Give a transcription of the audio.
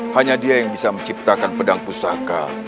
hanya dia yang bisa menciptakan pedang pusaka